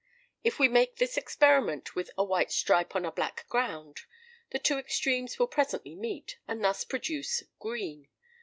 If we make this experiment with a white stripe on a black ground, the two extremes will presently meet, and thus produce green.